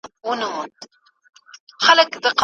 خپل کالي په المارۍ کي تل په پوره ترتیب او صفايي کښېږدئ.